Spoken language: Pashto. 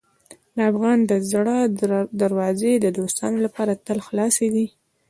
د افغان د زړه دروازې د دوستانو لپاره تل خلاصې دي.